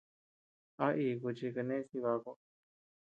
¿A iku chi kenés Jibaku?